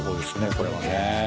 これはね。